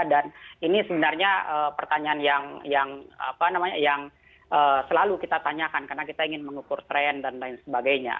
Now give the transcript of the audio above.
dan ini sebenarnya pertanyaan yang selalu kita tanyakan karena kita ingin mengukur tren dan lain sebagainya